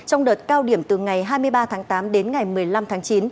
trong đợt cao điểm từ ngày hai mươi ba tháng tám đến ngày một mươi năm tháng chín